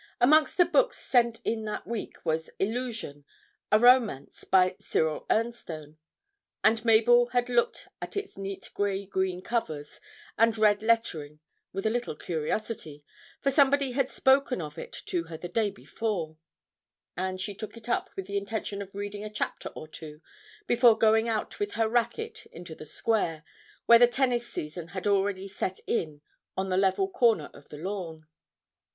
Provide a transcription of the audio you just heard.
Amongst the books sent in that week was 'Illusion,' a romance by Cyril Ernstone, and Mabel had looked at its neat grey green covers and red lettering with a little curiosity, for somebody had spoken of it to her the day before, and she took it up with the intention of reading a chapter or two before going out with her racket into the square, where the tennis season had already set in on the level corner of the lawn.